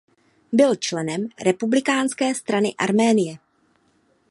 Byl členem Republikánské strany Arménie.